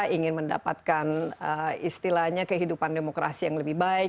ingin mendapatkan istilahnya kehidupan demokrasi yang lebih baik